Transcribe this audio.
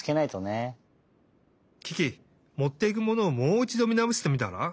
キキもっていくものをもういちどみなおしてみたら？